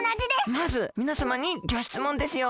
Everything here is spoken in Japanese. まずみなさまにギョしつもんですよ。